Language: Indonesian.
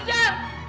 anda kurang ajar